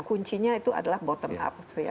kuncinya itu adalah bottom up